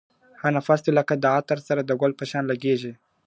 هر نفس دی لکه عطر د سره گل په شان لگېږی ..